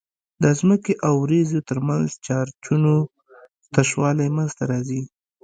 د ځمکې او وريځو ترمنځ چارجونو تشوالی منځته راځي.